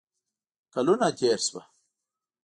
کلونه تیر شوه